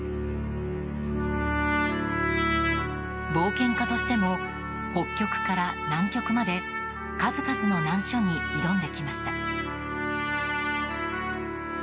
冒険家としても北極から南極まで数々の難所に挑んできました。